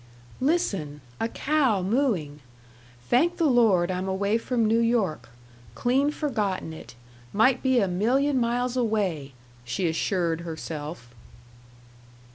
"Listen. A cow mooing. Thank the Lord I'm away from New York clean forgotten it might be a million miles away!" she assured herself.